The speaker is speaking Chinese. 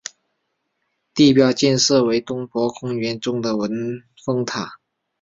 地标建筑为东皋公园中的文峰塔。